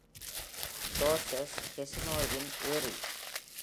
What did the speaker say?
டார்ச்செஸ் கேசினோவின் ஏரி.